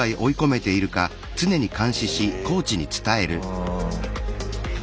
うん。